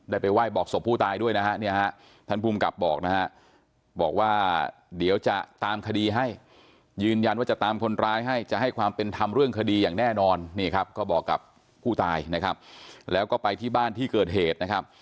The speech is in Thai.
ได้ไปไหว้บอกศพผู้ตายด้วยนะฮะท่านภูมิกับบอกนะฮะ